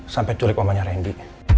sampai culik mamanya randy